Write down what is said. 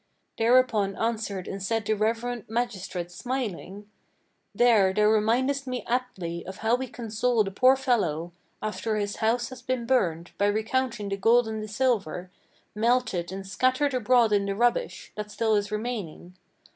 Thereupon answered and said the reverend magistrate, smiling: "There thou remindest me aptly of how we console the poor fellow, After his house has been burned, by recounting the gold and the silver Melted and scattered abroad in the rubbish, that still is remaining.